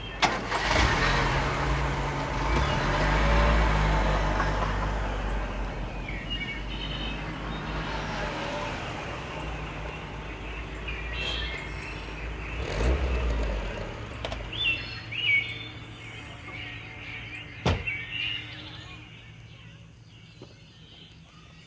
tidak ada apa apa